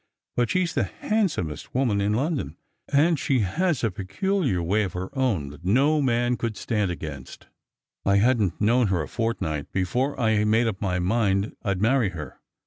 But she's the handsomest woman in London, and she has a peculiar way of her own that no man could stapd against. I hadn't known her a fortnight before I made up my mind I'd marry her.